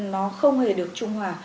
nó không hề được trung hòa